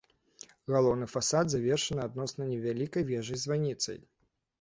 Галоўны фасад завершаны адносна невялікай вежай-званіцай.